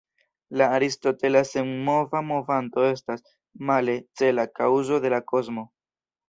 La aristotela senmova movanto estas, male, cela kaŭzo de la kosmo.